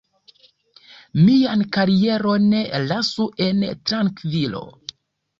Mian karieron lasu en trankvilo.